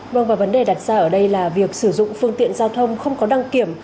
vâng và vấn đề đặt ra ở đây là việc sử dụng phương tiện giao thông không có đăng kiểm